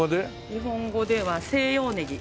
日本語では西洋ネギ。